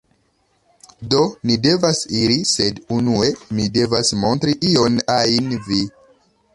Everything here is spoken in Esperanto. Do, ni devas iri sed unue mi devas montri ion ajn vi